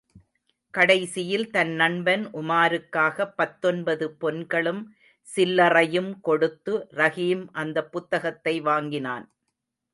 கடைசியில் தன் நண்பன் உமாருக்காக பத்தொன்பது பொன்களும் சில்லறையும் கொடுத்து ரஹீம் அந்தப் புத்தகத்தை வாங்கினான்.